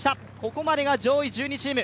ここまでが上位１２チーム。